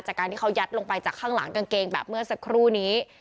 จากการที่เขายัดลงไปจากข้างหลังกางเกงแบบเมื่อสักครู่นี้